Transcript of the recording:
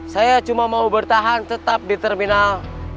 saya cuma mau bertahan tetap di terminal